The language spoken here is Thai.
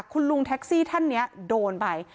คุณลุงแท็กซี่ท่านนี้โดนไป